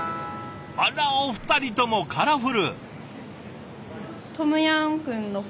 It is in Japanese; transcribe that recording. あらお二人ともカラフル。